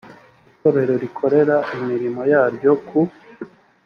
itorero rikorera imirimo yaryo ku